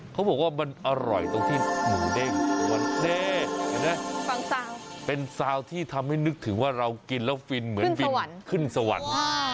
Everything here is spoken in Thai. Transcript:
เขาบอกว่ามันอร่อยตรงที่หมูเด้งมันเด้เห็นไหมเป็นซาวที่ทำให้นึกถึงว่าเรากินแล้วฟินเหมือนบินขึ้นสวรรค์